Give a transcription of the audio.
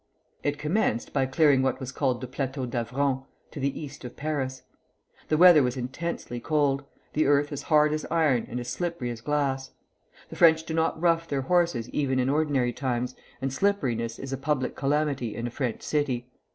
It commenced by clearing what was called the Plateau d'Avron, to the east of Paris. The weather was intensely cold, the earth as hard as iron and as slippery as glass. The French do not rough their horses even in ordinary times, and slipperiness is a public calamity in a French city.